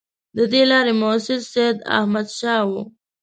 د دې لارې مؤسس سیداحمدشاه وو.